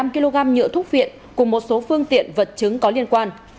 năm kg nhựa thuốc viện cùng một số phương tiện vật chứng có liên quan